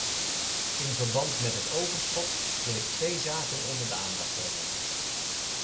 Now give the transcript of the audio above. In verband met het overschot wil ik twee zaken onder de aandacht brengen.